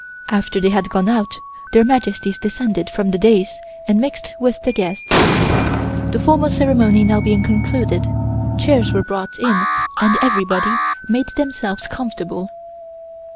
After they had gone out Their Majesties descended from the dais and mixed with the guests. The formal ceremony now being concluded, chairs were brought in and everybody made themselves comfortable.